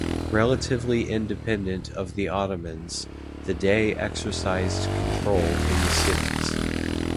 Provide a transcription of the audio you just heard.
Relatively independent of the Ottomans, the Dey exercised control in the cities.